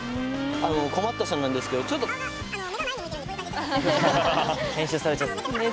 あの困ったさんなんですけど編集されちゃってる。